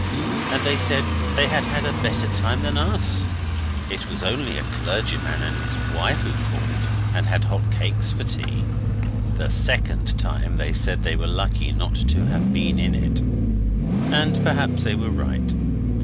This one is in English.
And they said they had had a better time than us. (It was only a clergyman and his wife who called, and hot cakes for tea.) The second time they said they were lucky not to have been in it. And perhaps they were right.